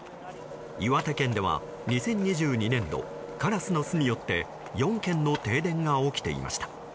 岩手県では、２０２２年度カラスの巣によって４件の停電が起きていました。